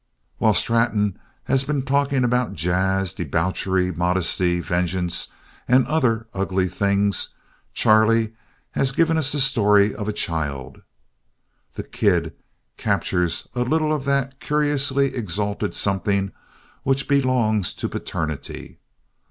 While Straton has been talking about jazz, debauchery, modesty, vengeance and other ugly things, Chaplin has given us the story of a child. "The Kid" captured a little of that curiously exalted something which belongs to paternity.